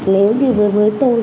nếu như với tôi